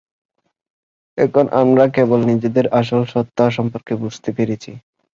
এখন আমরা কেবল নিজেদের আসল সত্ত্বা সম্পর্কে বুঝতে পেরেছি।